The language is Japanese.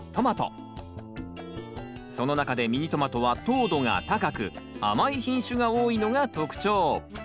その中でミニトマトは糖度が高く甘い品種が多いのが特徴。